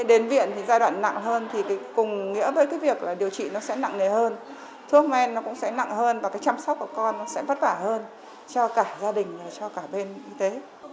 đến viện thì giai đoạn nặng hơn thì cùng nghĩa với cái việc là điều trị nó sẽ nặng nề hơn thuốc men nó cũng sẽ nặng hơn và cái chăm sóc của con nó sẽ vất vả hơn cho cả gia đình và cho cả bên y tế